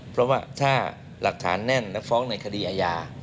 เพราะว่าถ้าหลักฐานแน่นและฟ้องในคดีอาญา